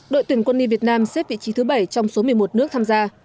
đội tuyển quân y việt nam xếp vị trí thứ bảy trong số một mươi một nước tham gia